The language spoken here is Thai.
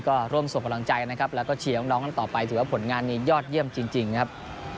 ก็ร่วมส่งกำลังใจนะครับแล้วก็เชียร์น้องกันต่อไปถือว่าผลงานนี้ยอดเยี่ยมจริงครับ